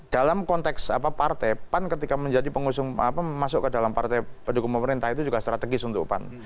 dalam konteks apa partai pan ketika menjadi pengusung masuk ke dalam partai pendukung pemerintah itu juga strategis untuk pan